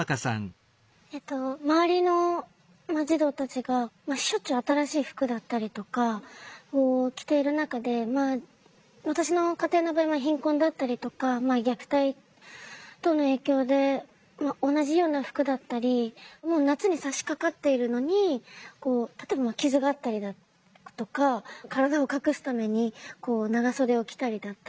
周りの児童たちがしょっちゅう新しい服だったりとかを着ている中で私の家庭の場合貧困だったりとか虐待等の影響で同じような服だったり夏にさしかかっているのに例えば傷があったりだとか体を隠すために長袖を着たりだったり。